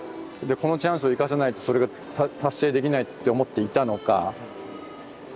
でこのチャンスを生かさないとそれが達成できないって思っていたのか。